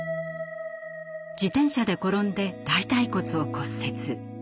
自転車で転んで大たい骨を骨折。